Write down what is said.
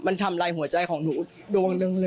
มันทำลายหัวใจของหนูดวงหนึ่งเลย